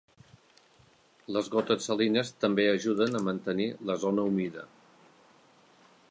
Les gotes salines també ajuden a mantenir la zona humida.